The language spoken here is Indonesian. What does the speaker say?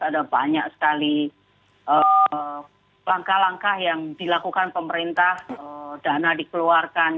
ada banyak sekali langkah langkah yang dilakukan pemerintah dana dikeluarkan